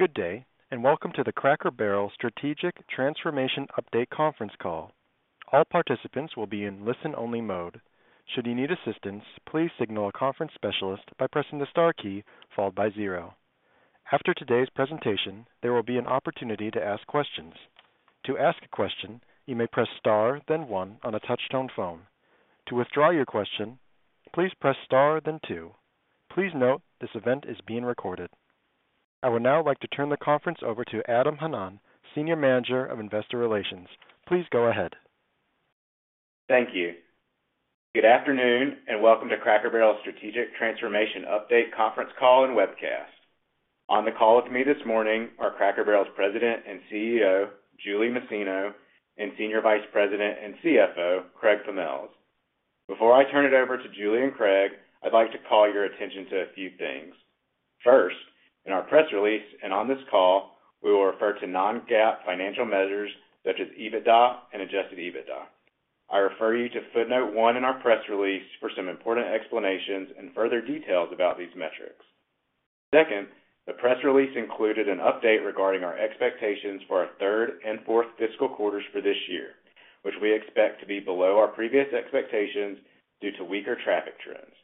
Good day, and welcome to the Cracker Barrel Strategic Transformation Update Conference Call. All participants will be in listen-only mode. Should you need assistance, please signal a conference specialist by pressing the star key followed by zero. After today's presentation, there will be an opportunity to ask questions. To ask a question, you may press star, then one on a touchtone phone. To withdraw your question, please press star then two. Please note, this event is being recorded. I would now like to turn the conference over to Adam Hanan, Senior Manager of Investor Relations. Please go ahead. Thank you. Good afternoon, and welcome to Cracker Barrel's Strategic Transformation Update Conference Call and Webcast. On the call with me this morning are Cracker Barrel's President and CEO, Julie Masino, and Senior Vice President and CFO, Craig Pommells. Before I turn it over to Julie and Craig, I'd like to call your attention to a few things. First, in our press release and on this call, we will refer to non-GAAP financial measures such as EBITDA and adjusted EBITDA. I refer you to footnote one in our press release for some important explanations and further details about these metrics. Second, the press release included an update regarding our expectations for our third and fourth fiscal quarters for this year, which we expect to be below our previous expectations due to weaker traffic trends.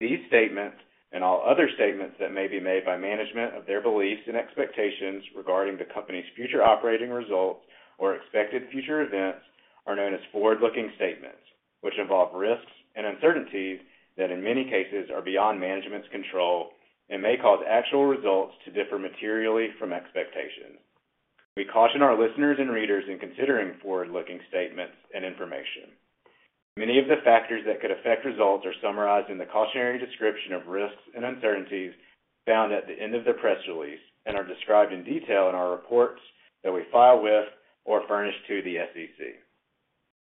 These statements and all other statements that may be made by management of their beliefs and expectations regarding the company's future operating results or expected future events are known as forward-looking statements, which involve risks and uncertainties that in many cases are beyond management's control and may cause actual results to differ materially from expectations. We caution our listeners and readers in considering forward-looking statements and information. Many of the factors that could affect results are summarized in the cautionary description of risks and uncertainties found at the end of the press release and are described in detail in our reports that we file with or furnish to the SEC.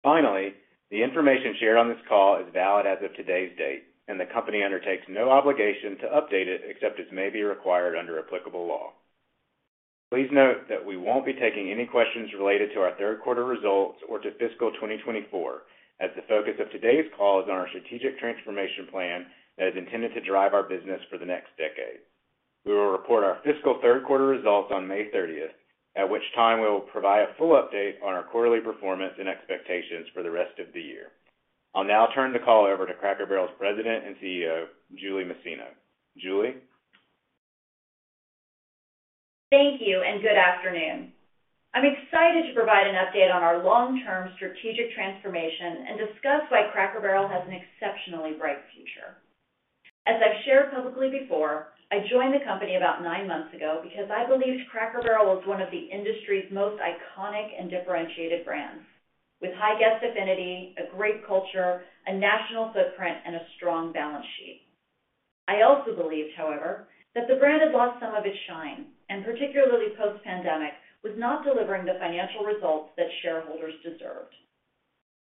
Finally, the information shared on this call is valid as of today's date, and the company undertakes no obligation to update it except as may be required under applicable law. Please note that we won't be taking any questions related to our third quarter results or to fiscal 2024, as the focus of today's call is on our strategic transformation plan that is intended to drive our business for the next decade. We will report our fiscal third quarter results on May 30, at which time we will provide a full update on our quarterly performance and expectations for the rest of the year. I'll now turn the call over to Cracker Barrel's President and CEO, Julie Masino. Julie? Thank you and good afternoon. I'm excited to provide an update on our long-term strategic transformation and discuss why Cracker Barrel has an exceptionally bright future. As I've shared publicly before, I joined the company about nine months ago because I believed Cracker Barrel was one of the industry's most iconic and differentiated brands, with high guest affinity, a great culture, a national footprint, and a strong balance sheet. I also believed, however, that the brand had lost some of its shine, and particularly post-pandemic, was not delivering the financial results that shareholders deserved.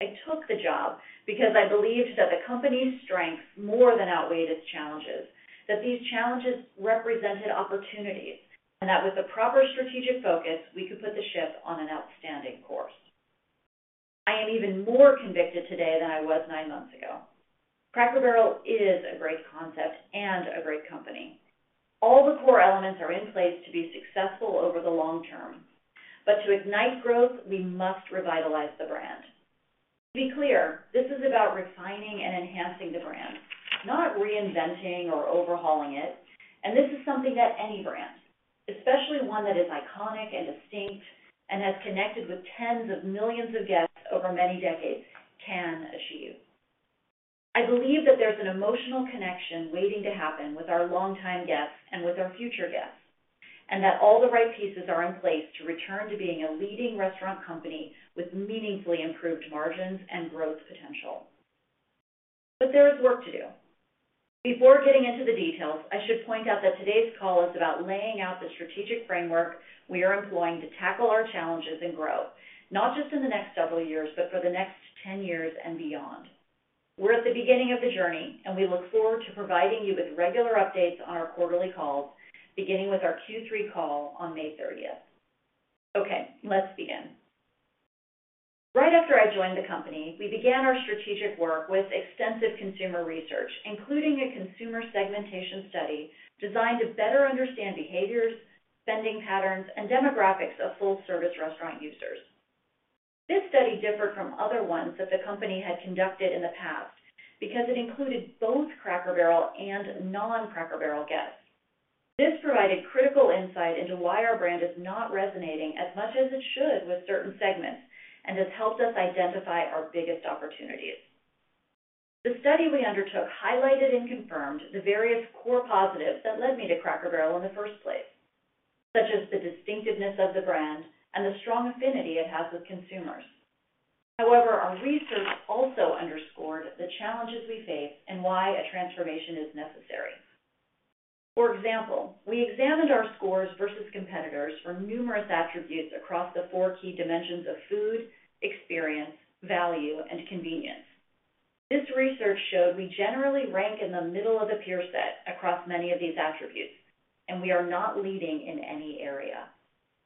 I took the job because I believed that the company's strengths more than outweighed its challenges, that these challenges represented opportunities, and that with the proper strategic focus, we could put the ship on an outstanding course. I am even more convicted today than I was nine months ago. Cracker Barrel is a great concept and a great company. All the core elements are in place to be successful over the long term, but to ignite growth, we must revitalize the brand. To be clear, this is about refining and enhancing the brand, not reinventing or overhauling it, and this is something that any brand, especially one that is iconic and distinct and has connected with tens of millions of guests over many decades, can achieve. I believe that there's an emotional connection waiting to happen with our longtime guests and with our future guests, and that all the right pieces are in place to return to being a leading restaurant company with meaningfully improved margins and growth potential. But there is work to do. Before getting into the details, I should point out that today's call is about laying out the strategic framework we are employing to tackle our challenges and grow, not just in the next several years, but for the next 10 years and beyond. We're at the beginning of the journey, and we look forward to providing you with regular updates on our quarterly calls, beginning with our Q3 call on May 30. Okay, let's begin. Right after I joined the company, we began our strategic work with extensive consumer research, including a consumer segmentation study designed to better understand behaviors, spending patterns, and demographics of full-service restaurant users. This study differed from other ones that the company had conducted in the past because it included both Cracker Barrel and non-Cracker Barrel guests. This provided critical insight into why our brand is not resonating as much as it should with certain segments and has helped us identify our biggest opportunities. The study we undertook highlighted and confirmed the various core positives that led me to Cracker Barrel in the first place, such as the distinctiveness of the brand and the strong affinity it has with consumers. However, our research also underscored the challenges we face and why a transformation is necessary. For example, we examined our scores versus competitors for numerous attributes across the four key dimensions of food, experience, value, and convenience. This research showed we generally rank in the middle of the peer set across many of these attributes, and we are not leading in any area.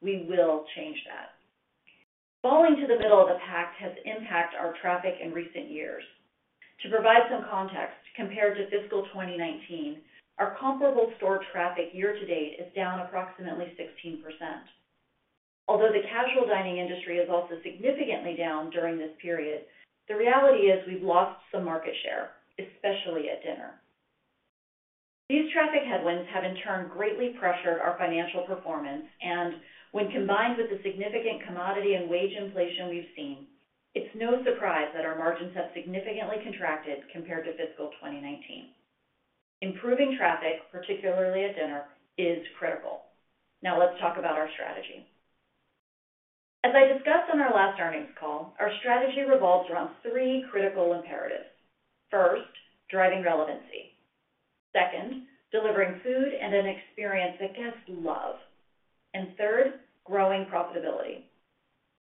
We will change that... Falling to the middle of the pack has impacted our traffic in recent years. To provide some context, compared to fiscal 2019, our comparable store traffic year-to-date is down approximately 16%. Although the casual dining industry is also significantly down during this period, the reality is we've lost some market share, especially at dinner. These traffic headwinds have in turn greatly pressured our financial performance, and when combined with the significant commodity and wage inflation we've seen, it's no surprise that our margins have significantly contracted compared to fiscal 2019. Improving traffic, particularly at dinner, is critical. Now let's talk about our strategy. As I discussed on our last earnings call, our strategy revolves around three critical imperatives: first, driving relevancy; second, delivering food and an experience that guests love; and third, growing profitability.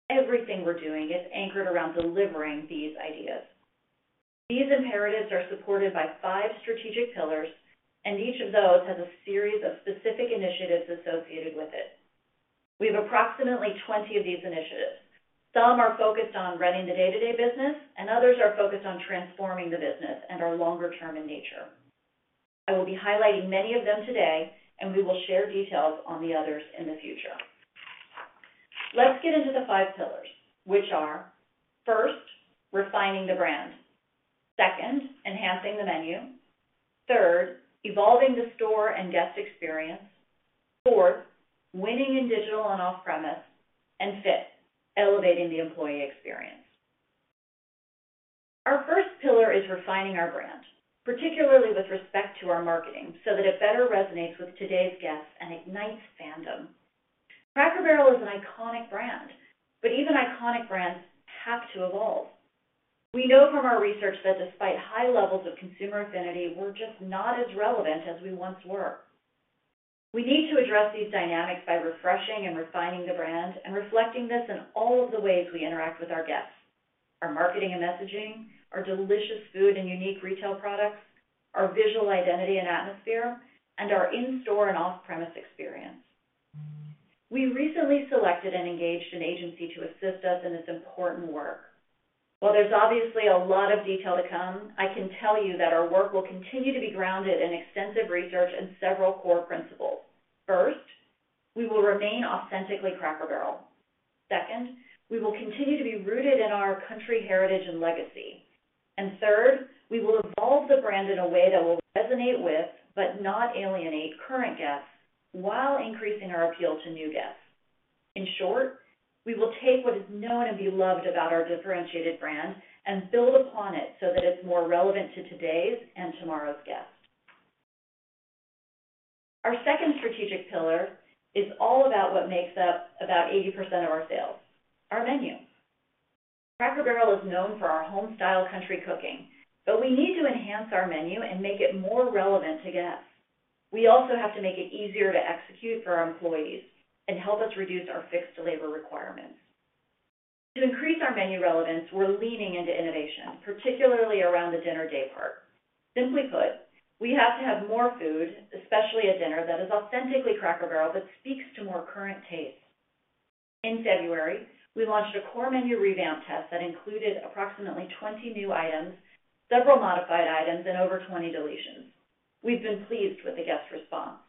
Everything we're doing is anchored around delivering these ideas. These imperatives are supported by five strategic pillars, and each of those has a series of specific initiatives associated with it. We have approximately 20 of these initiatives. Some are focused on running the day-to-day business, and others are focused on transforming the business and are longer term in nature. I will be highlighting many of them today, and we will share details on the others in the future. Let's get into the five pillars, which are, first, refining the brand, second, enhancing the menu, third, evolving the store and guest experience, fourth, winning in digital and off-premise, and fifth, elevating the employee experience. Our first pillar is refining our brand, particularly with respect to our marketing, so that it better resonates with today's guests and ignites fandom. Cracker Barrel is an iconic brand, but even iconic brands have to evolve. We know from our research that despite high levels of consumer affinity, we're just not as relevant as we once were. We need to address these dynamics by refreshing and refining the brand and reflecting this in all of the ways we interact with our guests: our marketing and messaging, our delicious food and unique retail products, our visual identity and atmosphere, and our in-store and off-premise experience. We recently selected and engaged an agency to assist us in this important work. While there's obviously a lot of detail to come, I can tell you that our work will continue to be grounded in extensive research and several core principles. First, we will remain authentically Cracker Barrel. Second, we will continue to be rooted in our country, heritage, and legacy. Third, we will evolve the brand in a way that will resonate with, but not alienate, current guests while increasing our appeal to new guests. In short, we will take what is known and beloved about our differentiated brand and build upon it so that it's more relevant to today's and tomorrow's guests. Our second strategic pillar is all about what makes up about 80% of our sales, our menu. Cracker Barrel is known for our home-style country cooking, but we need to enhance our menu and make it more relevant to guests. We also have to make it easier to execute for our employees and help us reduce our fixed labor requirements. To increase our menu relevance, we're leaning into innovation, particularly around the dinner day part. Simply put, we have to have more food, especially at dinner, that is authentically Cracker Barrel, but speaks to more current tastes. In February, we launched a core menu revamp test that included approximately 20 new items, several modified items, and over 20 deletions. We've been pleased with the guest response.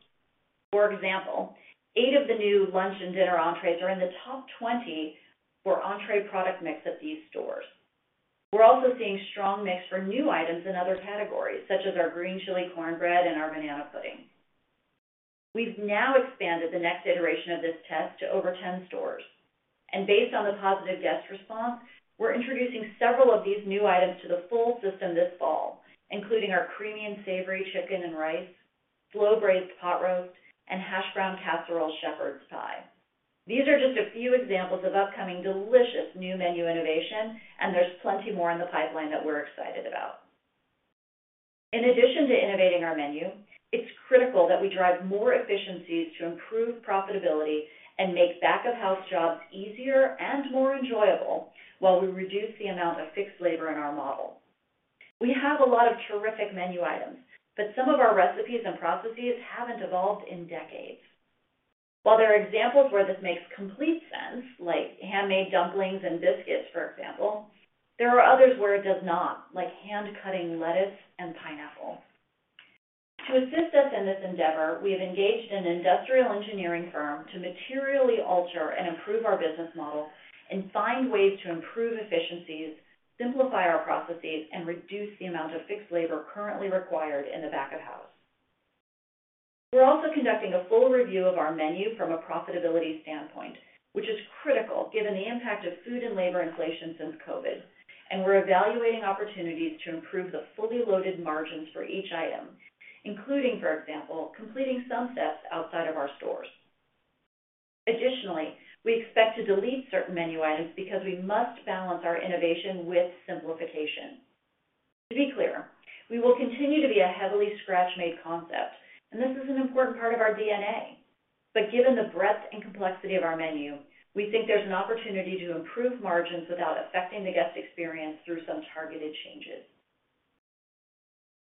For example, eight of the new lunch and dinner entrees are in the top 20 for entree product mix at these stores. We're also seeing strong mix for new items in other categories, such as our Green Chile Cornbread and our Banana Pudding. We've now expanded the next iteration of this test to over 10 stores, and based on the positive guest response, we're introducing several of these new items to the full system this fall, including our Creamy and Savory Chicken and Rice, Slow-Braised Pot Roast, and Hashbrown Casserole Shepherd's Pie. These are just a few examples of upcoming delicious new menu innovation, and there's plenty more in the pipeline that we're excited about. In addition to innovating our menu, it's critical that we drive more efficiencies to improve profitability and make back-of-house jobs easier and more enjoyable while we reduce the amount of fixed labor in our model. We have a lot of terrific menu items, but some of our recipes and processes haven't evolved in decades. While there are examples where this makes complete sense, like handmade dumplings and biscuits, for example, there are others where it does not, like hand-cutting lettuce and pineapple. To assist us in this endeavor, we have engaged an industrial engineering firm to materially alter and improve our business model and find ways to improve efficiencies, simplify our processes, and reduce the amount of fixed labor currently required in the back of house. We're also conducting a full review of our menu from a profitability standpoint, which is critical given the impact of food and labor inflation since COVID, and we're evaluating opportunities to improve the fully loaded margins for each item, including, for example, completing some steps outside of our stores. Additionally, we expect to delete certain menu items because we must balance our innovation with simplification. To be clear, we will continue to be a heavily scratch-made concept, and this is an important part of our DNA. But given the breadth and complexity of our menu, we think there's an opportunity to improve margins without affecting the guest experience through some targeted changes....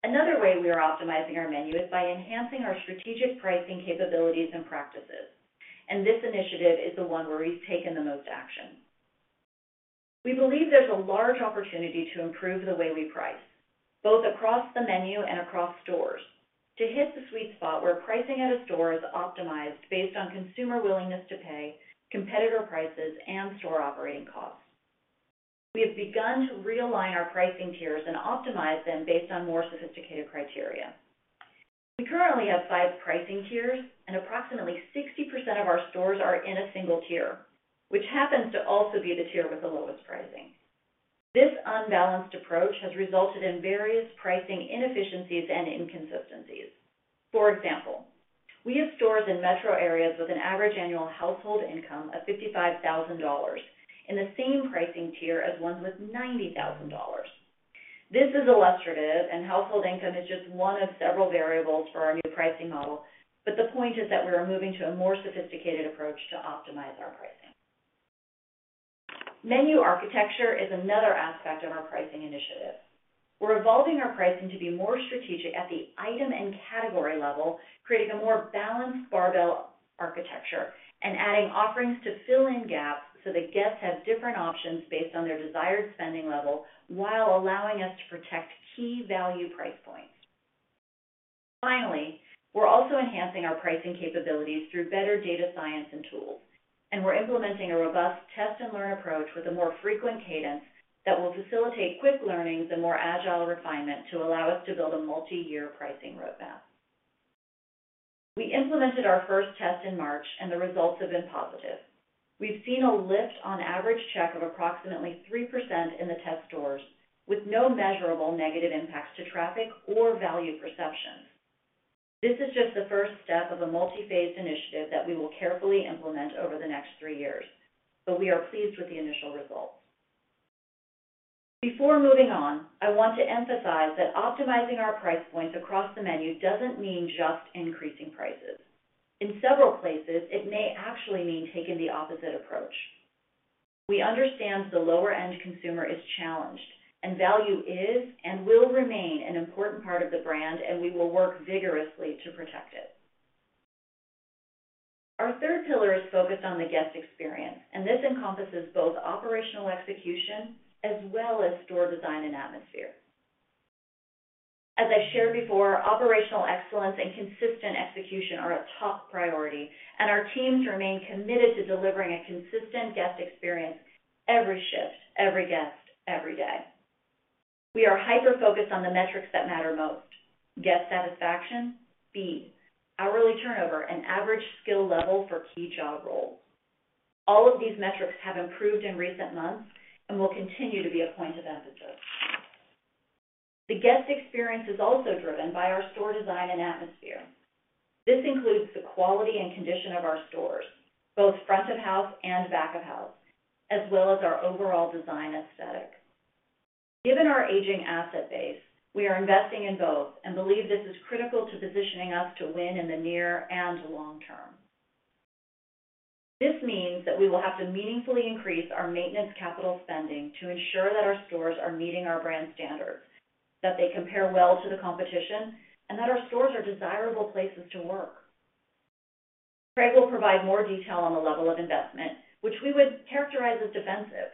Another way we are optimizing our menu is by enhancing our strategic pricing capabilities and practices, and this initiative is the one where we've taken the most action. We believe there's a large opportunity to improve the way we price, both across the menu and across stores, to hit the sweet spot where pricing at a store is optimized based on consumer willingness to pay, competitor prices, and store operating costs. We have begun to realign our pricing tiers and optimize them based on more sophisticated criteria. We currently have five pricing tiers, and approximately 60% of our stores are in a single tier, which happens to also be the tier with the lowest pricing. This unbalanced approach has resulted in various pricing inefficiencies and inconsistencies. For example, we have stores in metro areas with an average annual household income of $55,000 in the same pricing tier as ones with $90,000. This is illustrative, and household income is just one of several variables for our new pricing model, but the point is that we are moving to a more sophisticated approach to optimize our pricing. Menu architecture is another aspect of our pricing initiative. We're evolving our pricing to be more strategic at the item and category level, creating a more balanced barbell architecture and adding offerings to fill in gaps so that guests have different options based on their desired spending level, while allowing us to protect key value price points. Finally, we're also enhancing our pricing capabilities through better data science and tools, and we're implementing a robust test-and-learn approach with a more frequent cadence that will facilitate quick learnings and more agile refinement to allow us to build a multiyear pricing roadmap. We implemented our first test in March, and the results have been positive. We've seen a lift on average check of approximately 3% in the test stores, with no measurable negative impacts to traffic or value perceptions. This is just the first step of a multiphase initiative that we will carefully implement over the next three years, but we are pleased with the initial results. Before moving on, I want to emphasize that optimizing our price points across the menu doesn't mean just increasing prices. In several places, it may actually mean taking the opposite approach. We understand the lower-end consumer is challenged, and value is and will remain an important part of the brand, and we will work vigorously to protect it. Our third pillar is focused on the guest experience, and this encompasses both operational execution as well as store design and atmosphere. As I shared before, operational excellence and consistent execution are a top priority, and our teams remain committed to delivering a consistent guest experience every shift, every guest, every day. We are hyper-focused on the metrics that matter most: guest satisfaction, speed, hourly turnover, and average skill level for key job roles. All of these metrics have improved in recent months and will continue to be a point of emphasis. The guest experience is also driven by our store design and atmosphere. This includes the quality and condition of our stores, both front of house and back of house, as well as our overall design aesthetic. Given our aging asset base, we are investing in both and believe this is critical to positioning us to win in the near and long term. This means that we will have to meaningfully increase our maintenance capital spending to ensure that our stores are meeting our brand standards, that they compare well to the competition, and that our stores are desirable places to work. Craig will provide more detail on the level of investment, which we would characterize as defensive,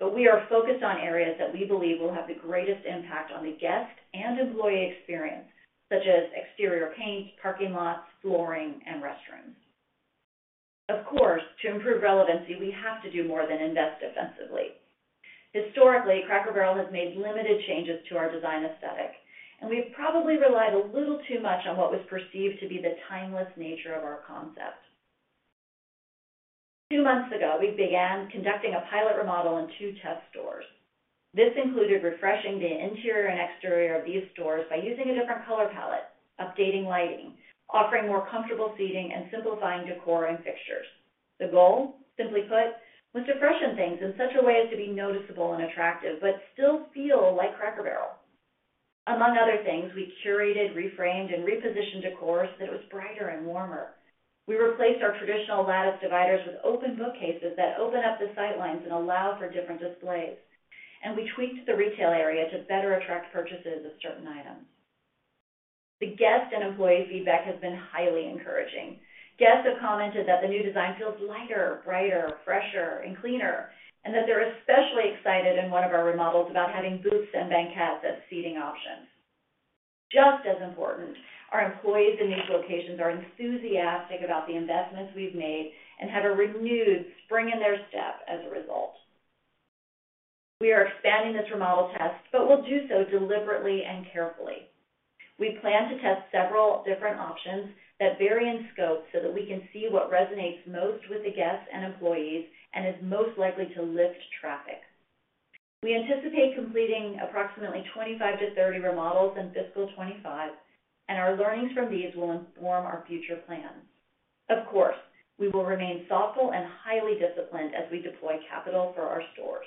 but we are focused on areas that we believe will have the greatest impact on the guest and employee experience, such as exterior paint, parking lots, flooring, and restrooms. Of course, to improve relevancy, we have to do more than invest defensively. Historically, Cracker Barrel has made limited changes to our design aesthetic, and we've probably relied a little too much on what was perceived to be the timeless nature of our concept. Two months ago, we began conducting a pilot remodel in two test stores. This included refreshing the interior and exterior of these stores by using a different color palette, updating lighting, offering more comfortable seating, and simplifying decor and fixtures. The goal, simply put, was to freshen things in such a way as to be noticeable and attractive, but still feel like Cracker Barrel. Among other things, we curated, reframed, and repositioned the course that was brighter and warmer. We replaced our traditional lattice dividers with open bookcases that open up the sight lines and allow for different displays, and we tweaked the retail area to better attract purchases of certain items. The guest and employee feedback has been highly encouraging. Guests have commented that the new design feels lighter, brighter, fresher, and cleaner, and that they're especially excited in one of our remodels about having booths and banquettes as seating options. Just as important, our employees in these locations are enthusiastic about the investments we've made and have a renewed spring in their step as a result. We are expanding this remodel test, but we'll do so deliberately and carefully. We plan to test several different options that vary in scope so that we can see what resonates most with the guests and employees and is most likely to lift traffic. We anticipate completing approximately 25-30 remodels in fiscal 2025, and our learnings from these will inform our future plans. Of course, we will remain thoughtful and highly disciplined as we deploy capital for our stores.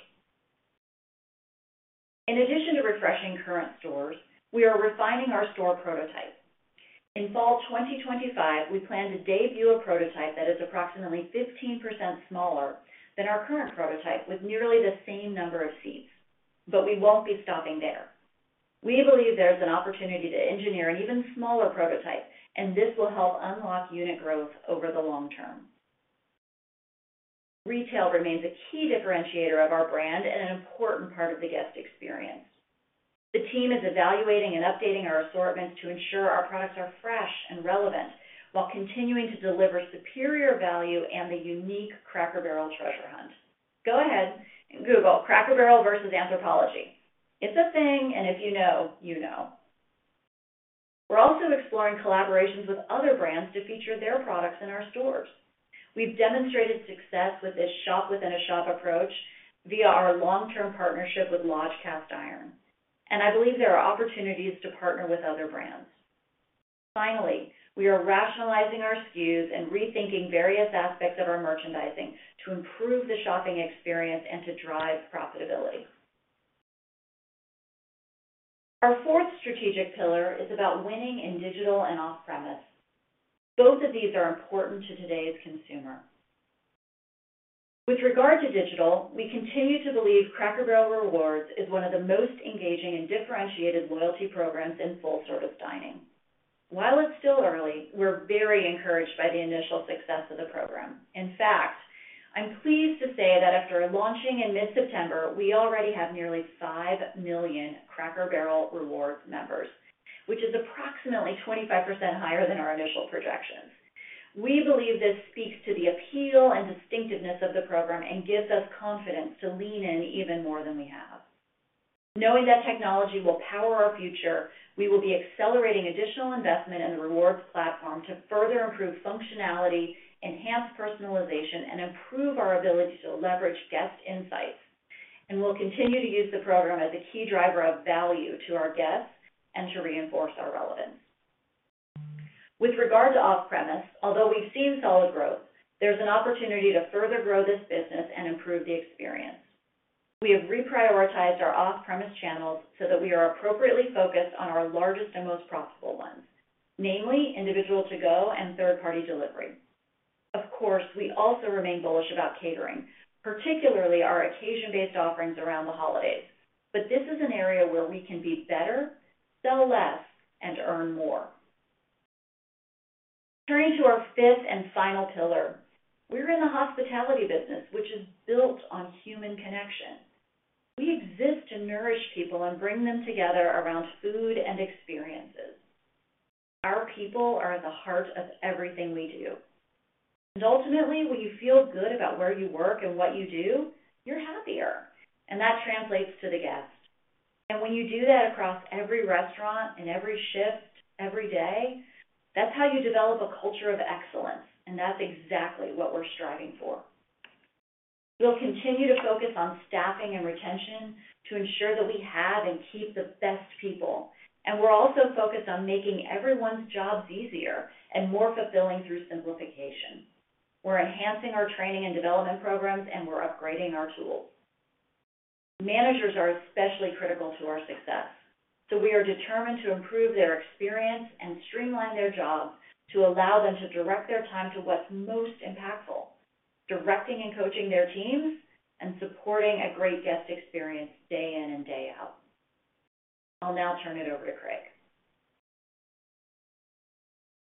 In addition to refreshing current stores, we are refining our store prototype. In fall 2025, we plan to debut a prototype that is approximately 15% smaller than our current prototype, with nearly the same number of seats. We won't be stopping there. We believe there's an opportunity to engineer an even smaller prototype, and this will help unlock unit growth over the long term. Retail remains a key differentiator of our brand and an important part of the guest experience. The team is evaluating and updating our assortments to ensure our products are fresh and relevant, while continuing to deliver superior value and the unique Cracker Barrel treasure hunt. Go ahead and Google Cracker Barrel versus Anthropologie. It's a thing, and if you know, you know. We're also exploring collaborations with other brands to feature their products in our stores. We've demonstrated success with this shop-within-a-shop approach via our long-term partnership with Lodge Cast Iron, and I believe there are opportunities to partner with other brands. Finally, we are rationalizing our SKUs and rethinking various aspects of our merchandising to improve the shopping experience and to drive profitability. Our fourth strategic pillar is about winning in digital and off-premise. Both of these are important to today's consumer. With regard to digital, we continue to believe Cracker Barrel Rewards is one of the most engaging and differentiated loyalty programs in full-service dining. While it's still early, we're very encouraged by the initial success of the program. In fact, I'm pleased to say that after launching in mid-September, we already have nearly 5 million Cracker Barrel Rewards members, which is approximately 25% higher than our initial projections. We believe this speaks to the appeal and distinctiveness of the program and gives us confidence to lean in even more than we have. Knowing that technology will power our future, we will be accelerating additional investment in the rewards platform to further improve functionality, enhance personalization, and improve our ability to leverage guest insights. We'll continue to use the program as a key driver of value to our guests and to reinforce our relevance. With regard to off-premise, although we've seen solid growth, there's an opportunity to further grow this business and improve the experience. We have reprioritized our off-premise channels so that we are appropriately focused on our largest and most profitable ones, namely individual to-go and third-party delivery. Of course, we also remain bullish about catering, particularly our occasion-based offerings around the holidays. This is an area where we can be better, sell less, and earn more. Turning to our fifth and final pillar, we're in the hospitality business, which is built on human connection. We exist to nourish people and bring them together around food and experiences. Our people are at the heart of everything we do, and ultimately, when you feel good about where you work and what you do, you're happier, and that translates to the guest. When you do that across every restaurant and every shift, every day, that's how you develop a culture of excellence, and that's exactly what we're striving for. We'll continue to focus on staffing and retention to ensure that we have and keep the best people, and we're also focused on making everyone's jobs easier and more fulfilling through simplification. We're enhancing our training and development programs, and we're upgrading our tools. Managers are especially critical to our success, so we are determined to improve their experience and streamline their jobs to allow them to direct their time to what's most impactful, directing and coaching their teams, and supporting a great guest experience day in and day out. I'll now turn it over to Craig.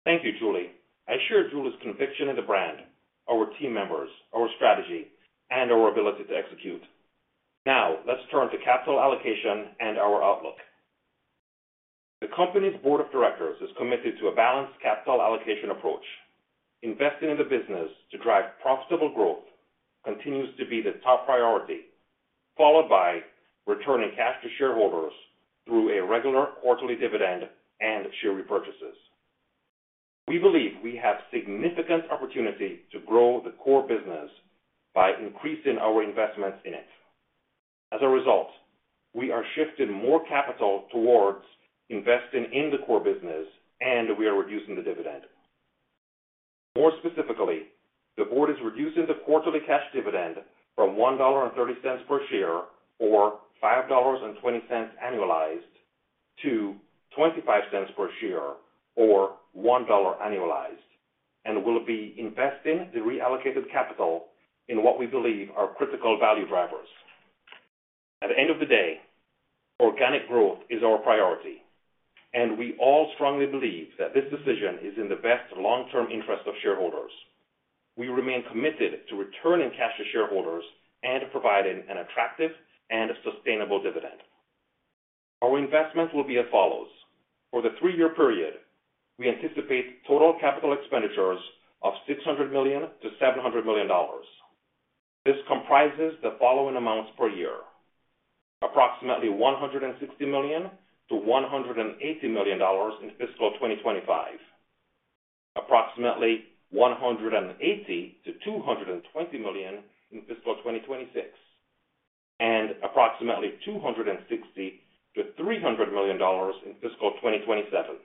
Thank you, Julie. I share Julie's conviction in the brand, our team members, our strategy, and our ability to execute. Now, let's turn to capital allocation and our outlook. The company's board of directors is committed to a balanced capital allocation approach. Investing in the business to drive profitable growth continues to be the top priority, followed by returning cash to shareholders through a regular quarterly dividend and share repurchases. We believe we have significant opportunity to grow the core business by increasing our investments in it. As a result, we are shifting more capital towards investing in the core business, and we are reducing the dividend. More specifically, the board is reducing the quarterly cash dividend from $1.30 per share, or $5.20 annualized, to $0.25 per share, or $1 annualized, and will be investing the reallocated capital in what we believe are critical value drivers. At the end of the day, organic growth is our priority, and we all strongly believe that this decision is in the best long-term interest of shareholders. We remain committed to returning cash to shareholders and providing an attractive and sustainable dividend. Our investments will be as follows: For the three-year period, we anticipate total capital expenditures of $600 million-$700 million. This comprises the following amounts per year: approximately $160 million-$180 million in fiscal 2025, approximately $180 million-$220 million in fiscal 2026, and approximately $260 million-$300 million in fiscal 2027.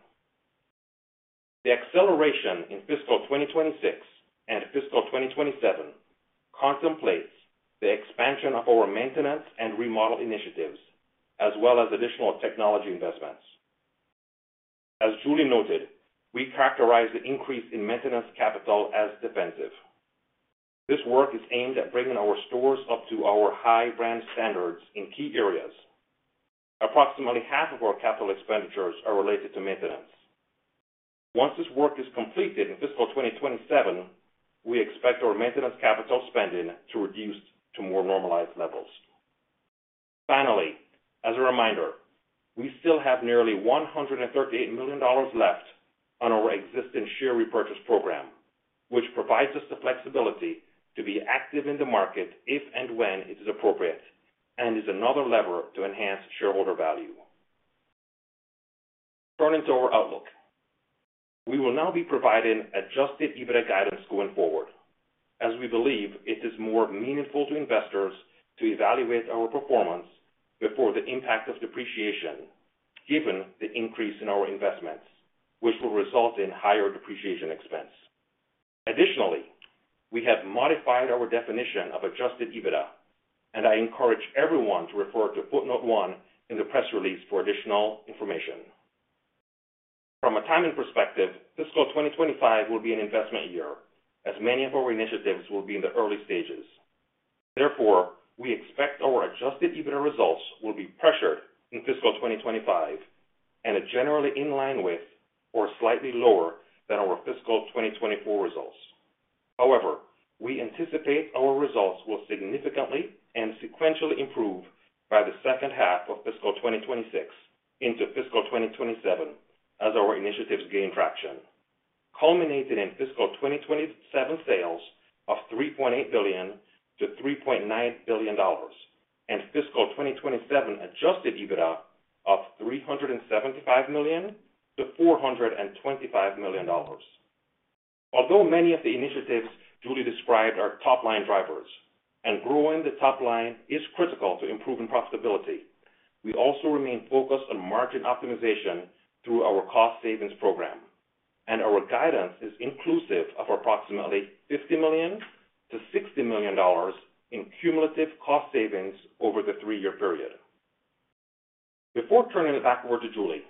The acceleration in fiscal 2026 and fiscal 2027 contemplates the expansion of our maintenance and remodel initiatives, as well as additional technology investments. As Julie noted, we characterize the increase in maintenance capital as defensive. This work is aimed at bringing our stores up to our high brand standards in key areas. Approximately half of our capital expenditures are related to maintenance. Once this work is completed in fiscal 2027, we expect our maintenance capital spending to reduce to more normalized levels. Finally, as a reminder, we still have nearly $138 million left on our existing share repurchase program, which provides us the flexibility to be active in the market if and when it is appropriate, and is another lever to enhance shareholder value. Turning to our outlook. We will now be providing adjusted EBITDA guidance going forward, as we believe it is more meaningful to investors to evaluate our performance before the impact of depreciation, given the increase in our investments, which will result in higher depreciation expense. Additionally, we have modified our definition of adjusted EBITDA, and I encourage everyone to refer to footnote 1 in the press release for additional information. From a timing perspective, Fiscal 2025 will be an investment year, as many of our initiatives will be in the early stages. Therefore, we expect our Adjusted EBITDA results will be pressured in fiscal 2025 and are generally in line with or slightly lower than our fiscal 2024 results. However, we anticipate our results will significantly and sequentially improve by the second half of fiscal 2026 into fiscal 2027 as our initiatives gain traction, culminating in fiscal 2027 sales of $3.8 billion-$3.9 billion, and fiscal 2027 Adjusted EBITDA of $375 million-$425 million. Although many of the initiatives Julie described are top-line drivers, and growing the top line is critical to improving profitability, we also remain focused on margin optimization through our Cost Savings Program, and our guidance is inclusive of approximately $50 million-$60 million in cumulative cost savings over the three-year period. Before turning it back over to Julie,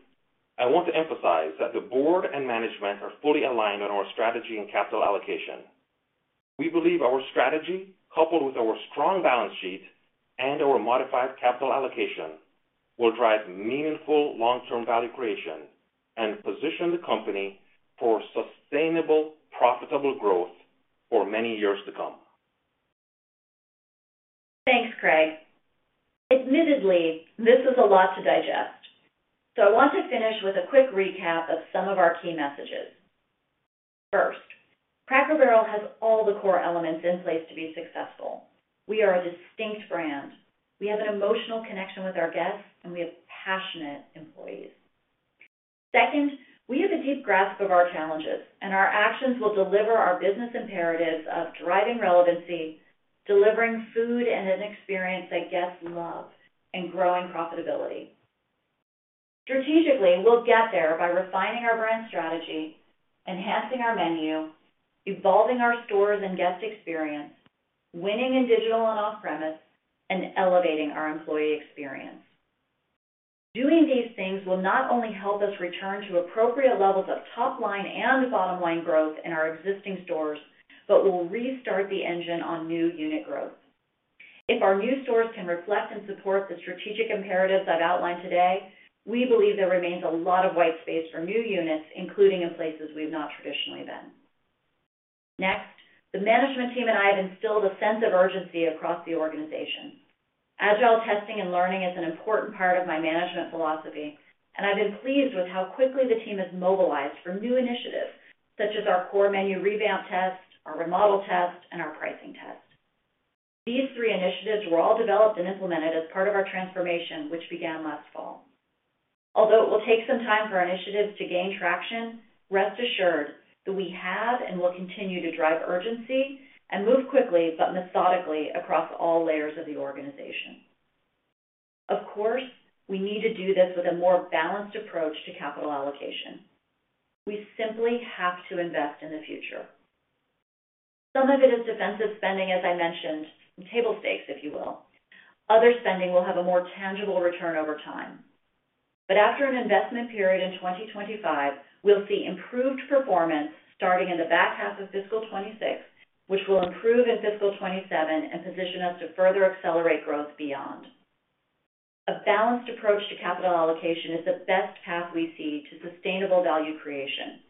I want to emphasize that the board and management are fully aligned on our strategy and capital allocation. We believe our strategy, coupled with our strong balance sheet and our modified capital allocation, will drive meaningful long-term value creation and position the company for sustainable, profitable growth for many years to come. Thanks, Craig. Admittedly, this is a lot to digest, so I want to finish with a quick recap of some of our key messages. First, Cracker Barrel has all the core elements in place to be successful. We are a distinct brand. We have an emotional connection with our guests, and we have passionate employees. Second, we have a deep grasp of our challenges, and our actions will deliver our business imperatives of driving relevancy, delivering food and an experience that guests love, and growing profitability. Strategically, we'll get there by refining our brand strategy, enhancing our menu, evolving our stores and guest experience, winning in digital and off-premise, and elevating our employee experience. Doing these things will not only help us return to appropriate levels of top line and bottom line growth in our existing stores, but will restart the engine on new unit growth. If our new stores can reflect and support the strategic imperatives I've outlined today, we believe there remains a lot of white space for new units, including in places we've not traditionally been. Next, the management team and I have instilled a sense of urgency across the organization. Agile testing and learning is an important part of my management philosophy, and I've been pleased with how quickly the team has mobilized for new initiatives, such as our core menu revamp test, our remodel test, and our pricing test. These three initiatives were all developed and implemented as part of our transformation, which began last fall. Although it will take some time for our initiatives to gain traction, rest assured that we have and will continue to drive urgency and move quickly but methodically across all layers of the organization. Of course, we need to do this with a more balanced approach to capital allocation. We simply have to invest in the future. Some of it is defensive spending, as I mentioned, table stakes, if you will. Other spending will have a more tangible return over time. But after an investment period in 2025, we'll see improved performance starting in the back half of fiscal 2026, which will improve in fiscal 2027 and position us to further accelerate growth beyond. A balanced approach to capital allocation is the best path we see to sustainable value creation,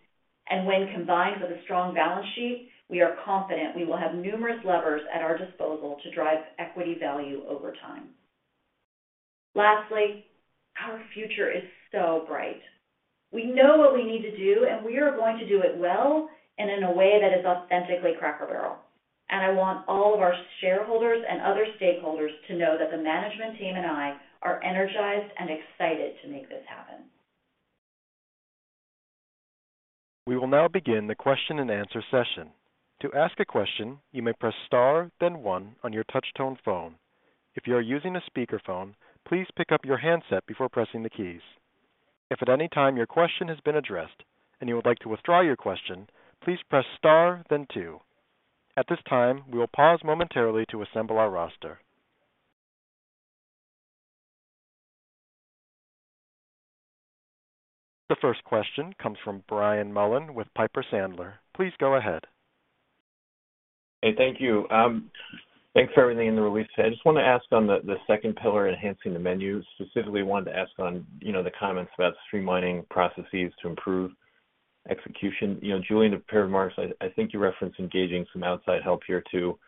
and when combined with a strong balance sheet, we are confident we will have numerous levers at our disposal to drive equity value over time. Lastly, our future is so bright. We know what we need to do, and we are going to do it well and in a way that is authentically Cracker Barrel. I want all of our shareholders and other stakeholders to know that the management team and I are energized and excited to make this happen. We will now begin the question-and-answer session. To ask a question, you may press Star, then one on your touchtone phone. If you are using a speakerphone, please pick up your handset before pressing the keys.... If at any time your question has been addressed and you would like to withdraw your question, please press star then two. At this time, we will pause momentarily to assemble our roster. The first question comes from Brian Mullan with Piper Sandler. Please go ahead. Hey, thank you. Thanks for everything in the release today. I just want to ask on the second pillar, enhancing the menu. Specifically, wanted to ask on, you know, the comments about streamlining processes to improve execution. You know, Julie, in the prepared remarks, I think you referenced engaging some outside help here, too.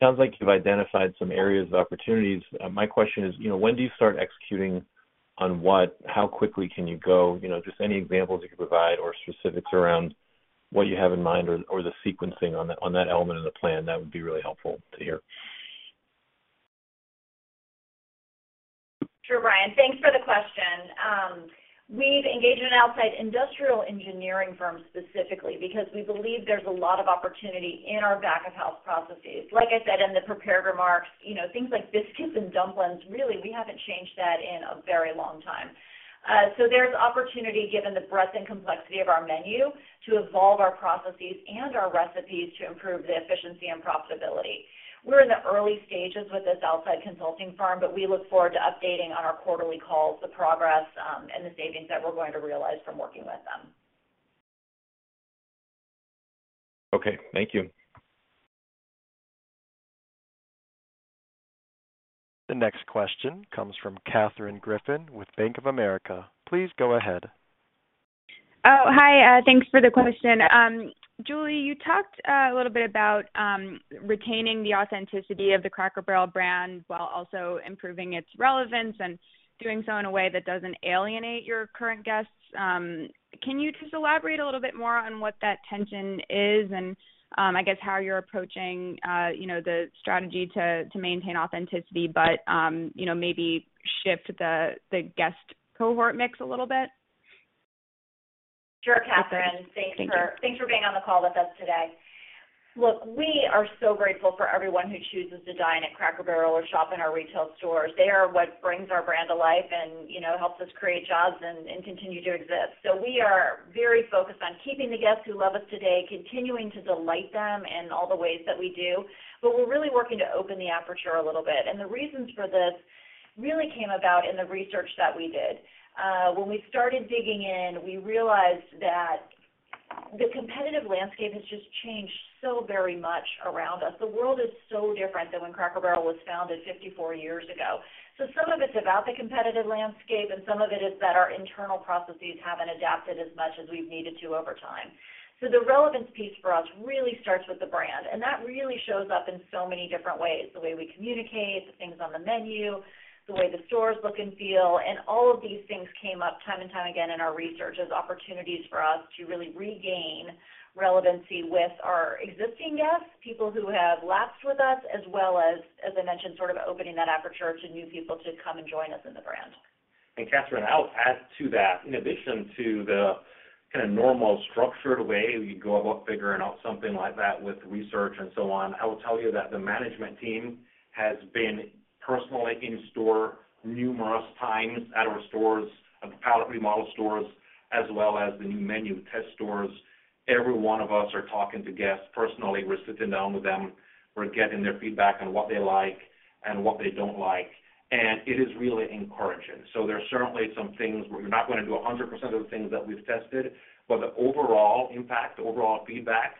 Sounds like you've identified some areas of opportunities. My question is, you know, when do you start executing on what? How quickly can you go? You know, just any examples you can provide or specifics around what you have in mind or the sequencing on that element of the plan, that would be really helpful to hear. Sure, Brian. Thanks for the question. We've engaged an outside industrial engineering firm specifically because we believe there's a lot of opportunity in our back-of-house processes. Like I said in the prepared remarks, you know, things like biscuits and dumplings, really, we haven't changed that in a very long time. So there's opportunity, given the breadth and complexity of our menu, to evolve our processes and our recipes to improve the efficiency and profitability. We're in the early stages with this outside consulting firm, but we look forward to updating on our quarterly calls, the progress, and the savings that we're going to realize from working with them. Okay, thank you. The next question comes from Katherine Griffin with Bank of America. Please go ahead. Thanks for the question. Julie, you talked a little bit about retaining the authenticity of the Cracker Barrel brand while also improving its relevance and doing so in a way that doesn't alienate your current guests. Can you just elaborate a little bit more on what that tension is and I guess how you're approaching you know the strategy to maintain authenticity, but you know maybe shift the guest cohort mix a little bit? Sure, Katherine. Thank you. Thanks for being on the call with us today. Look, we are so grateful for everyone who chooses to dine at Cracker Barrel or shop in our retail stores. They are what brings our brand to life and, you know, helps us create jobs and, and continue to exist. So we are very focused on keeping the guests who love us today, continuing to delight them in all the ways that we do, but we're really working to open the aperture a little bit. And the reasons for this really came about in the research that we did. When we started digging in, we realized that the competitive landscape has just changed so very much around us. The world is so different than when Cracker Barrel was founded 54 years ago. Some of it's about the competitive landscape, and some of it is that our internal processes haven't adapted as much as we've needed to over time. The relevance piece for us really starts with the brand, and that really shows up in so many different ways. The way we communicate, the things on the menu, the way the stores look and feel, and all of these things came up time and time again in our research as opportunities for us to really regain relevancy with our existing guests, people who have lapsed with us, as well as, as I mentioned, sort of opening that aperture to new people to come and join us in the brand. Katherine, I'll add to that. In addition to the kind of normal structured way we go about figuring out something like that with research and so on, I will tell you that the management team has been personally in store numerous times at our stores, at the pilot remodel stores, as well as the new menu test stores. Every one of us are talking to guests personally. We're sitting down with them. We're getting their feedback on what they like and what they don't like, and it is really encouraging. So there are certainly some things where we're not going to do 100% of the things that we've tested, but the overall impact, the overall feedback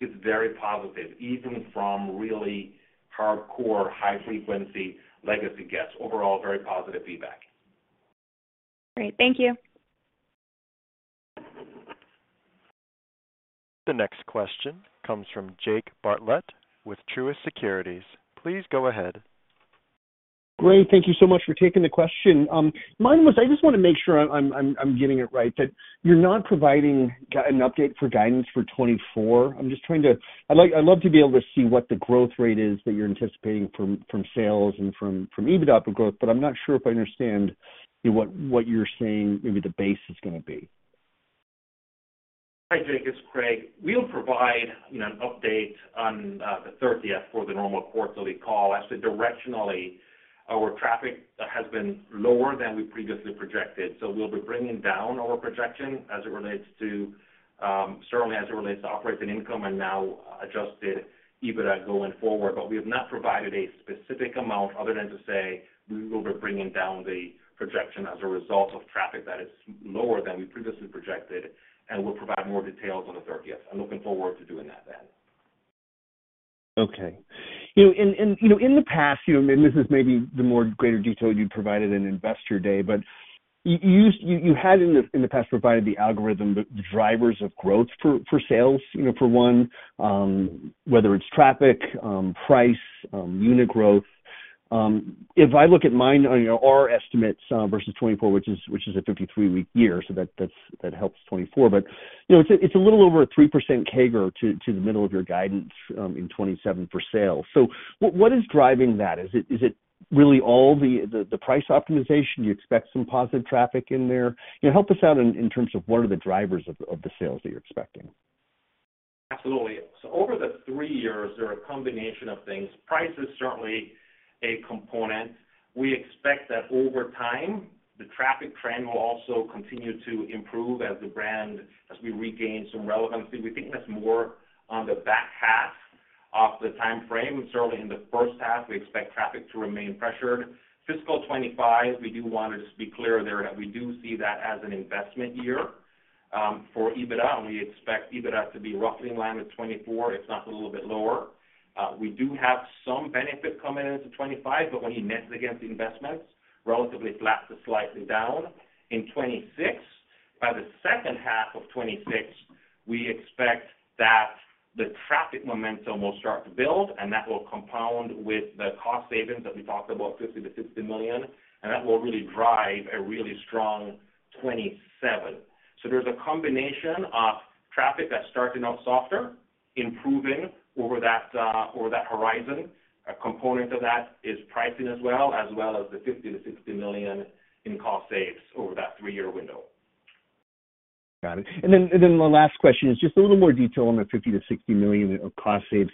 is very positive, even from really hardcore, high frequency, legacy guests. Overall, very positive feedback. Great. Thank you. The next question comes from Jake Bartlett with Truist Securities. Please go ahead. Great. Thank you so much for taking the question. Mine was I just want to make sure I'm getting it right, that you're not providing an update for guidance for 2024. I'm just trying to... I'd like, I'd love to be able to see what the growth rate is that you're anticipating from sales and from EBITDA growth, but I'm not sure if I understand what you're saying, maybe the base is going to be. Hi, Jake, it's Craig. We'll provide an update on the thirtieth for the normal quarterly call. I'd say directionally, our traffic has been lower than we previously projected, so we'll be bringing down our projection as it relates to certainly as it relates to operating income and now adjusted EBITDA going forward. But we have not provided a specific amount other than to say we will be bringing down the projection as a result of traffic that is lower than we previously projected, and we'll provide more details on the thirtieth. I'm looking forward to doing that then. Okay. You know, and, and, you know, in the past, you know, and this is maybe the more greater detail you provided in Investor Day, but you, you, you had in the, in the past, provided the algorithm, the drivers of growth for, for sales, you know, for one, whether it's traffic, price, unit growth. If I look at mine, you know, our estimates, versus 2024, which is, which is a 53-week year, so that, that's, that helps 2024. But, you know, it's a, it's a little over a 3% CAGR to, to the middle of your guidance, in 2027 for sales. So what, what is driving that? Is it, is it really all the, the, the price optimization? Do you expect some positive traffic in there? You know, help us out in terms of what are the drivers of the sales that you're expecting? ...Absolutely. So over the three years, there are a combination of things. Price is certainly a component. We expect that over time, the traffic trend will also continue to improve as the brand, as we regain some relevancy. We think that's more on the back half of the time frame. Certainly, in the first half, we expect traffic to remain pressured. Fiscal 2025, we do want to just be clear there that we do see that as an investment year for EBITDA, and we expect EBITDA to be roughly in line with 2024, if not a little bit lower. We do have some benefit coming into 2025, but when you net it against the investments, relatively flat to slightly down. In 2026, by the second half of 2026, we expect that the traffic momentum will start to build, and that will compound with the cost savings that we talked about, $50 million-$60 million, and that will really drive a really strong 2027. So there's a combination of traffic that's starting off softer, improving over that, over that horizon. A component of that is pricing as well, as well as the $50 million-$60 million in cost saves over that three-year window. Got it. And then my last question is just a little more detail on the $50 million-$60 million of cost saves.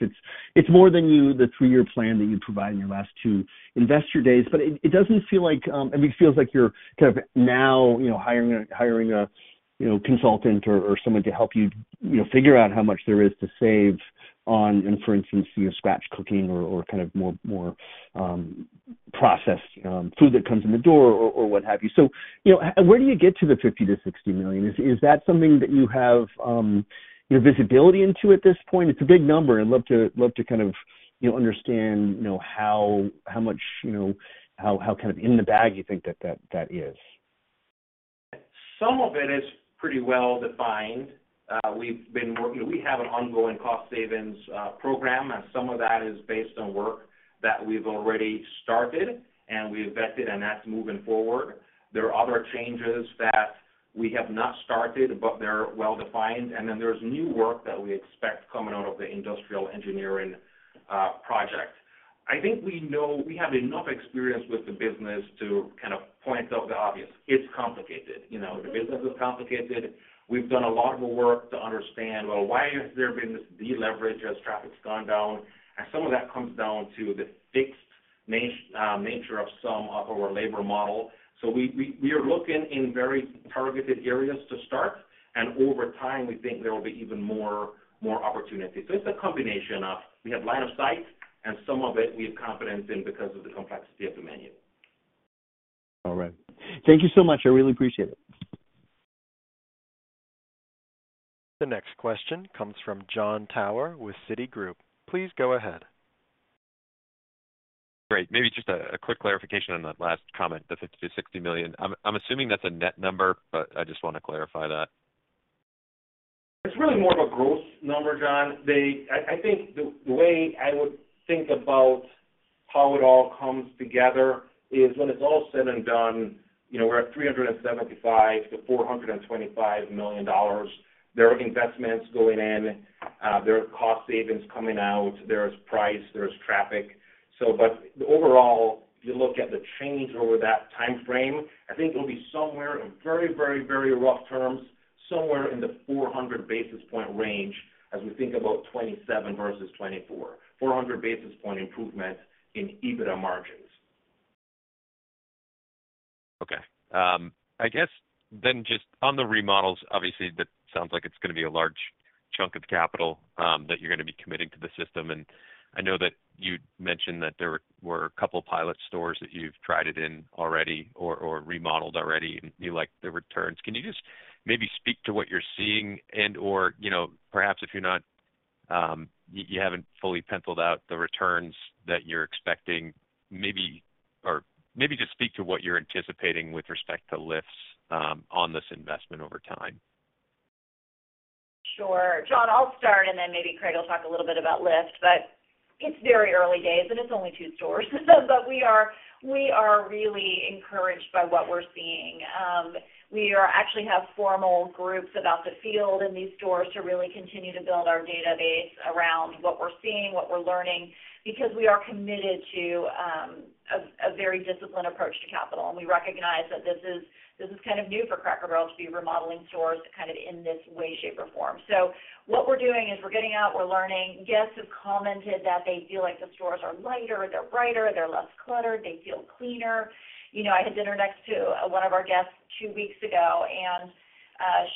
It's more than the three-year plan that you provided in your last two investor days, but it doesn't feel like, I mean, it feels like you're kind of now, you know, hiring a, you know, consultant or someone to help you, you know, figure out how much there is to save on, and for instance, you know, scratch cooking or kind of more processed food that comes in the door or what have you. So, you know, where do you get to the $50 million-$60 million? Is that something that you have, you know, visibility into at this point? It's a big number. I'd love to kind of, you know, understand, you know, how much, you know, how kind of in the bag you think that is. Some of it is pretty well defined. We have an ongoing cost savings program, and some of that is based on work that we've already started and we invested, and that's moving forward. There are other changes that we have not started, but they're well defined. And then there's new work that we expect coming out of the Industrial Engineering project. I think we have enough experience with the business to kind of point out the obvious. It's complicated. You know, the business is complicated. We've done a lot of work to understand, well, why has there been this deleverage as traffic's gone down? And some of that comes down to the fixed nature of some of our labor model. So we are looking in very targeted areas to start, and over time, we think there will be even more opportunities. So it's a combination of we have line of sight and some of it we have confidence in because of the complexity of the menu. All right. Thank you so much. I really appreciate it. The next question comes from Jon Tower with Citigroup. Please go ahead. Great. Maybe just a quick clarification on that last comment, the $50-$60 million. I'm assuming that's a net number, but I just want to clarify that. It's really more of a gross number, Jon. I think the way I would think about how it all comes together is when it's all said and done, you know, we're at $375 million-$425 million. There are investments going in, there are cost savings coming out, there's price, there's traffic. But overall, if you look at the change over that time frame, I think it'll be somewhere in very, very, very rough terms, somewhere in the 400 basis point range as we think about 2027 versus 2024. 400 basis point improvement in EBITDA margins. Okay. I guess then just on the remodels, obviously, that sounds like it's gonna be a large chunk of capital, that you're gonna be committing to the system. And I know that you mentioned that there were a couple pilot stores that you've tried it in already or, or remodeled already, and you like the returns. Can you just maybe speak to what you're seeing and/or, you know, perhaps if you're not, you, you haven't fully penciled out the returns that you're expecting, maybe or maybe just speak to what you're anticipating with respect to lifts, on this investment over time. Sure. Jon, I'll start, and then maybe Craig will talk a little bit about lift. But it's very early days, and it's only two stores. But we are really encouraged by what we're seeing. We actually have formal groups about the field in these stores to really continue to build our database around what we're seeing, what we're learning, because we are committed to a very disciplined approach to capital. And we recognize that this is kind of new for Cracker Barrel to be remodeling stores kind of in this way, shape, or form. So what we're doing is we're getting out, we're learning. Guests have commented that they feel like the stores are lighter, they're brighter, they're less cluttered, they feel cleaner. You know, I had dinner next to one of our guests two weeks ago, and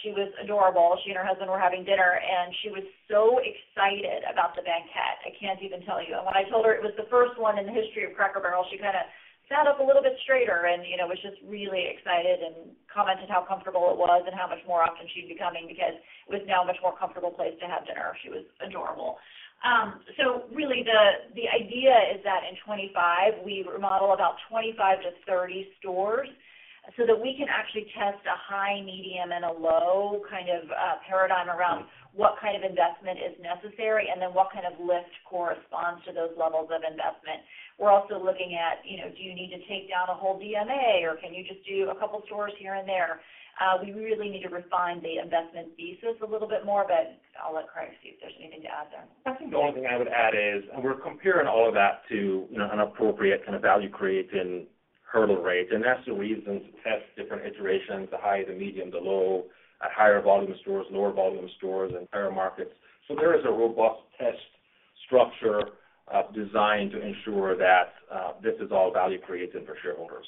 she was adorable. She and her husband were having dinner, and she was so excited about the banquette. I can't even tell you. And when I told her it was the first one in the history of Cracker Barrel, she kind of sat up a little bit straighter and, you know, was just really excited and commented how comfortable it was and how much more often she'd be coming because it was now a much more comfortable place to have dinner. She was adorable. So really, the idea is that in 2025, we remodel about 25-30 stores so that we can actually test a high, medium, and a low kind of paradigm around what kind of investment is necessary, and then what kind of lift corresponds to those levels of investment. We're also looking at, you know, do you need to take down a whole DMA, or can you just do a couple stores here and there? We really need to refine the investment thesis a little bit more, but I'll let Craig see if there's anything to add there. I think the only thing I would add is we're comparing all of that to, you know, an appropriate kind of value-creating hurdle rate, and that's the reason to test different iterations, the high, the medium, the low, at higher volume stores, lower volume stores, and higher markets. So there is a robust test structure designed to ensure that this is all value created for shareholders.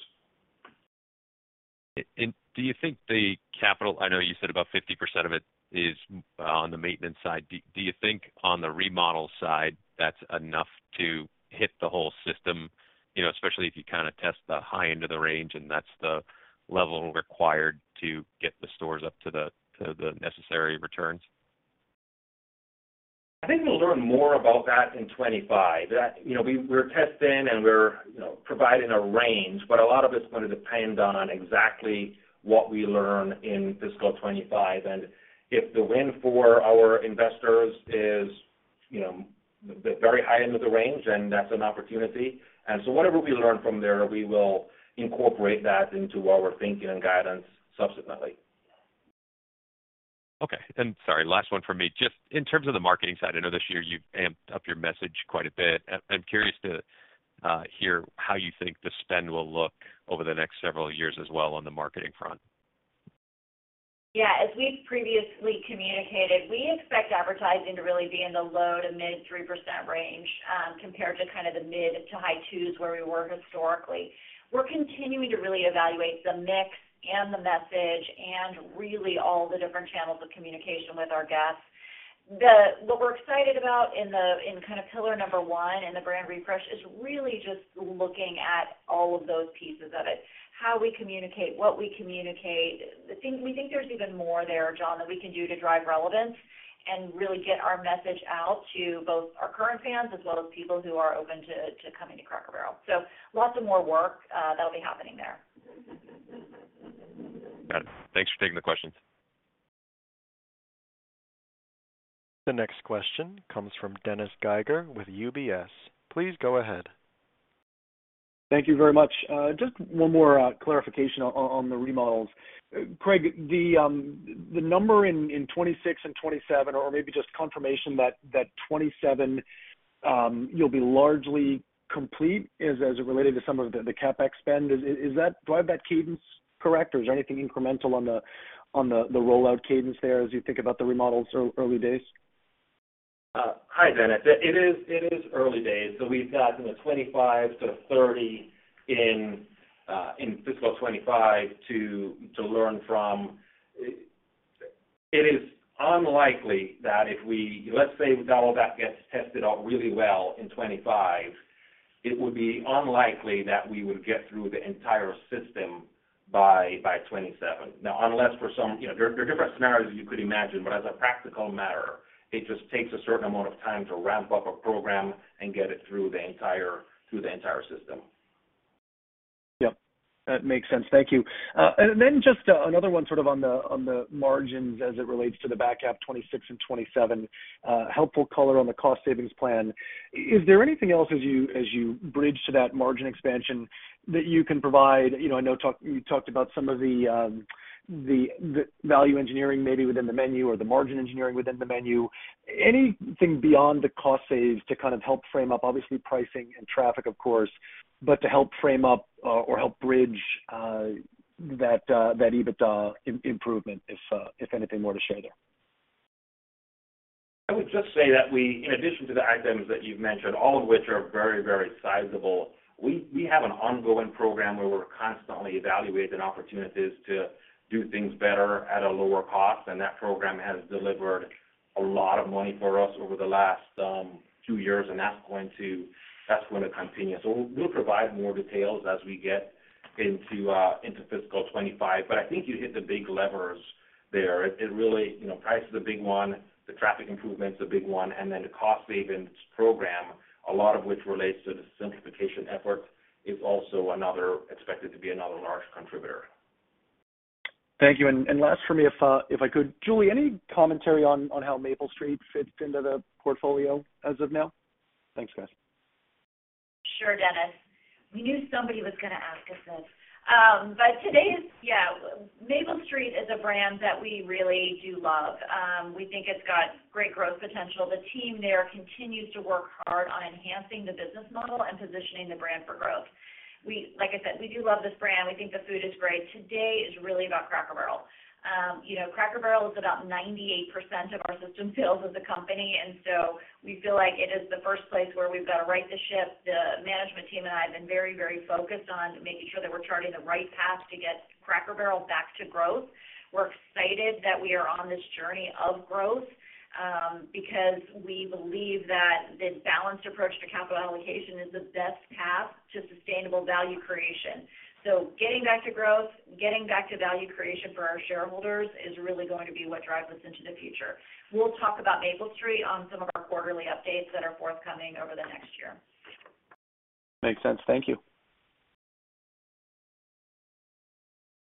Do you think the capital, I know you said about 50% of it is on the maintenance side. Do you think on the remodel side, that's enough to hit the whole system? You know, especially if you kind of test the high end of the range, and that's the level required to get the stores up to the necessary returns? I think we'll learn more about that in 2025. That, you know, we're testing and we're, you know, providing a range, but a lot of it's going to depend on exactly what we learn in fiscal 2025. And if the win for our investors is, you know, the very high end of the range, then that's an opportunity. And so whatever we learn from there, we will incorporate that into our thinking and guidance subsequently. Okay, and sorry, last one from me. Just in terms of the marketing side, I know this year you've amped up your message quite a bit. I'm curious to hear how you think the spend will look over the next several years as well on the marketing front. Yeah, as we've previously communicated, we expect advertising to really be in the low- to mid-3% range, compared to kind of the mid- to high-2s, where we were historically. We're continuing to really evaluate the mix and the message and really all the different channels of communication with our guests. What we're excited about in the, in kind of pillar number one in the brand refresh is really just looking at all of those pieces of it. How we communicate, what we communicate. We think there's even more there, John, that we can do to drive relevance and really get our message out to both our current fans as well as people who are open to, to coming to Cracker Barrel. So lots of more work, that'll be happening there. Got it. Thanks for taking the questions. The next question comes from Dennis Geiger with UBS. Please go ahead. Thank you very much. Just one more clarification on the remodels. Craig, the number in 2026 and 2027, or maybe just confirmation that 2027 you'll be largely complete as it related to some of the CapEx spend. Is that— Do I have that cadence correct, or is there anything incremental on the rollout cadence there, as you think about the remodels early days? Hi, Dennis. It is early days, so we've got 25 to 30 in fiscal 2025 to learn from. It is unlikely that if we... Let's say all that gets tested out really well in 2025, it would be unlikely that we would get through the entire system by 2027. Now, unless for some, you know, there are different scenarios you could imagine, but as a practical matter, it just takes a certain amount of time to ramp up a program and get it through the entire system. Yep, that makes sense. Thank you. And then just another one, sort of on the margins as it relates to the back half, 2026 and 2027. Helpful color on the cost savings plan. Is there anything else as you bridge to that margin expansion that you can provide? You know, I know you talked about some of the value engineering maybe within the menu or the margin engineering within the menu. Anything beyond the cost saves to kind of help frame up, obviously, pricing and traffic, of course, but to help frame up or help bridge that EBITDA improvement, if anything more to share there? I would just say that we, in addition to the items that you've mentioned, all of which are very, very sizable, we, we have an ongoing program where we're constantly evaluating opportunities to do things better at a lower cost, and that program has delivered a lot of money for us over the last, two years, and that's going to, that's going to continue. So we'll provide more details as we get into, into fiscal 2025, but I think you hit the big levers there. It really, you know, price is a big one, the traffic improvement is a big one, and then the cost savings program, a lot of which relates to the simplification effort, is also another expected to be another large contributor. Thank you. And last for me, if I could. Julie, any commentary on how Maple Street fits into the portfolio as of now? Thanks, guys. Sure, Dennis. We knew somebody was gonna ask us this. But today is... Yeah, Maple Street is a brand that we really do love. We think it's got great growth potential. The team there continues to work hard on enhancing the business model and positioning the brand for growth. Like I said, we do love this brand. We think the food is great. Today is really about Cracker Barrel. You know, Cracker Barrel is about 98% of our system sales as a company, and so we feel like it is the first place where we've got to right the ship. The management team and I have been very, very focused on making sure that we're charting the right path to get Cracker Barrel back to growth. We're excited that we are on this journey of growth, because we believe that the balanced approach to capital allocation is the best path to sustainable value creation. So getting back to growth, getting back to value creation for our shareholders is really going to be what drives us into the future. We'll talk about Maple Street on some of our quarterly updates that are forthcoming over the next year. Makes sense. Thank you.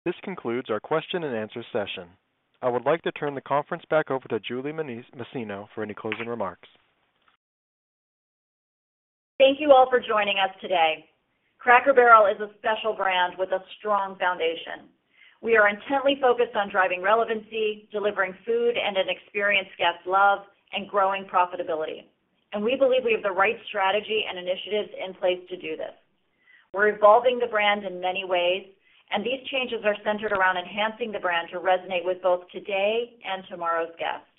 This concludes our question and answer session. I would like to turn the conference back over to Julie Masino for any closing remarks. Thank you all for joining us today. Cracker Barrel is a special brand with a strong foundation. We are intently focused on driving relevancy, delivering food and an experience guests love, and growing profitability. We believe we have the right strategy and initiatives in place to do this. We're evolving the brand in many ways, and these changes are centered around enhancing the brand to resonate with both today and tomorrow's guests.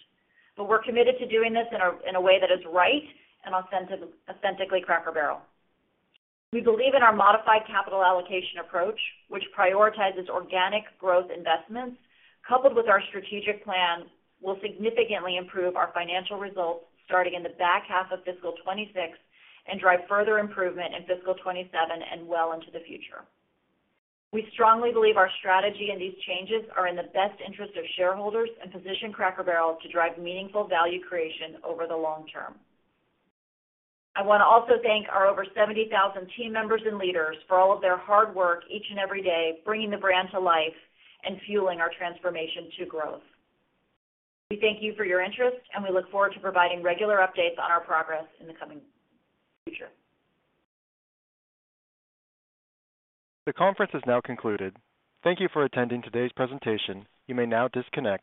But we're committed to doing this in a way that is right and authentic, authentically Cracker Barrel. We believe in our modified capital allocation approach, which prioritizes organic growth investments, coupled with our strategic plan, will significantly improve our financial results starting in the back half of fiscal 2026 and drive further improvement in fiscal 2027 and well into the future. We strongly believe our strategy and these changes are in the best interest of shareholders and position Cracker Barrel to drive meaningful value creation over the long term. I want to also thank our over 70,000 team members and leaders for all of their hard work each and every day, bringing the brand to life and fueling our transformation to growth. We thank you for your interest, and we look forward to providing regular updates on our progress in the coming future. The conference is now concluded. Thank you for attending today's presentation. You may now disconnect.